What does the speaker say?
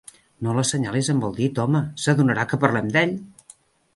No l'assenyalis amb el dit, home: s'adonarà que parlem d'ell!